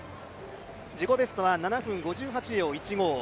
自己ベストは７分５８秒１５。